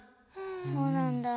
そうなんだ。